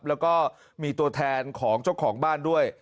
แล้วก็มีตัวแทนของเจ้าของบ้านด้วย